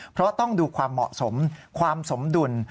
เพราะต้องดูความเหมาะสมความสมดุล